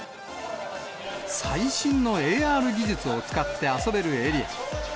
最新のＡＲ技術を使って遊べるエリア。